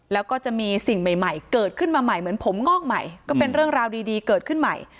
แล้วก็จะมีสิ่งใหม่เกิดขึ้นมาใหม่เหมือนผมงอกใหม่ก็เป็นเรื่องราวดีเกิดขึ้นใหม่